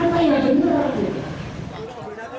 apa yang benar